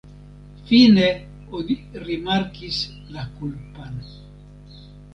Fine oni rimarkis la kulpan.